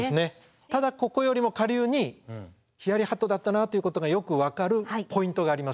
ただここよりも下流にヒヤリハットだったなっていうことがよく分かるポイントがありまして。